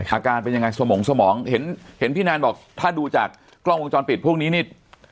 อาการเป็นยังไงสมองสมองเห็นเห็นพี่แนนบอกถ้าดูจากกล้องวงจรปิดพวกนี้นี่